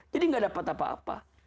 jadi nggak dapat apa apa